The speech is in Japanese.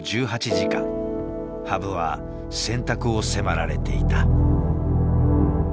羽生は選択を迫られていた。